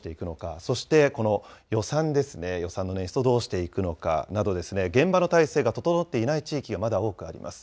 そしてこの予算ですね、予算の捻出をどうしていくのかなど、現場の体制が整っていない地域がまだ多くあります。